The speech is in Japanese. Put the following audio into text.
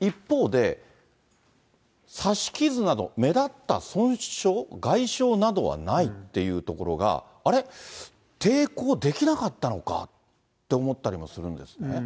一方で、刺し傷など、目立った損傷、外傷などはないっていうところが、あれ、抵抗できなかったのかって思ったりもするんですね。